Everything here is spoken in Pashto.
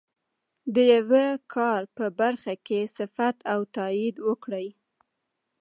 د یوه کار په برخه کې صفت او تایید وکړي.